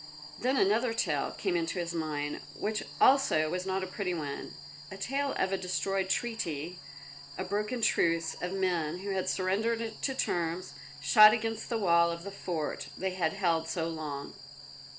Then another tale came into his mind which also was not a pretty one, a tale of a destroyed treaty, and a broken truce; of men, who had surrendered to terms, shot against the wall of the fort they had held so long.